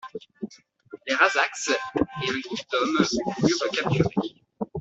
Les Ra'zacs et un groupe d'hommes voulurent le capturer.